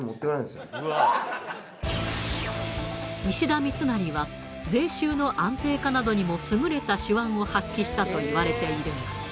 石田三成は税収の安定化などにも優れた手腕を発揮したと言われているが。